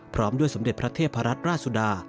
พร้อมด้วยสมเด็จพระเทพรัตนราชสุดา